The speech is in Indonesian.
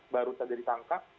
baru saja ditangkap